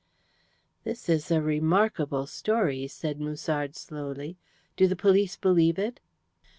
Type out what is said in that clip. "This is a remarkable story," said Musard slowly. "Do the police believe it?"